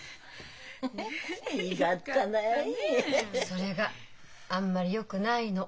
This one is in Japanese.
それがあんまりよくないの。